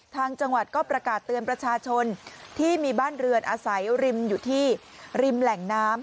ทางจังหวัดก็ประกาศเตือนประชาชนที่มีบ้านเรือนอาศัยริมอยู่ที่ริมแหล่งน้ำ